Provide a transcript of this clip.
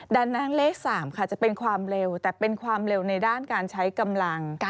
ดังนั้นเลข๓ค่ะจะเป็นความเร็วแต่เป็นความเร็วในด้านการใช้กำลัง